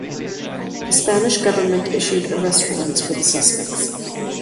The Spanish government issued arrest warrants for the suspects.